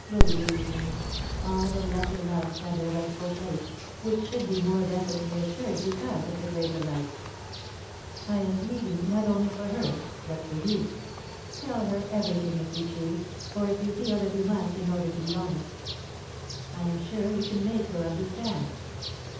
Believe me, all the lesser loves have their rightful place, which should be more definitely assured because of the greater light. [Sidenote: Rosemary's Need] "I am pleading not only for her, but for you. Tell her everything, if you choose, or if you feel that you must in order to be honest. I am sure you can make her understand.